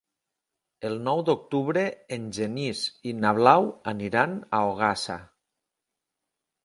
El nou d'octubre en Genís i na Blau aniran a Ogassa.